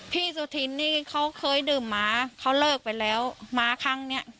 พี่สุธินเขาเคยดื่มม้าเขาเลิกไปแล้วม้าครั้งเนี่ย